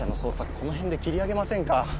このへんで切り上げませんか？